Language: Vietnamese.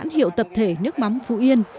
nhãn hiệu tập thể nước mắm phú yên